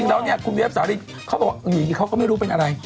นะอันนี้ของจริง